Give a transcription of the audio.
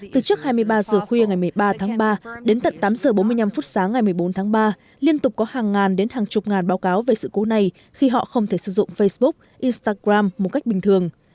từ trước hai mươi ba h khuya ngày một mươi ba tháng ba đến tận tám giờ bốn mươi năm phút sáng ngày một mươi bốn tháng ba liên tục có hàng ngàn đến hàng chục ngàn báo cáo về sự cố này khi họ không thể sử dụng facebook instagram một cách bình thường